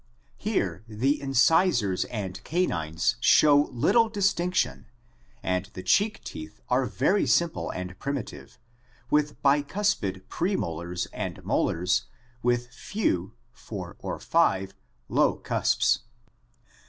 Here the incisors and canines show little distinction and the cheek teeth are very simple and primitive, with bicuspid premolars and molars with few (four or five) low cusps.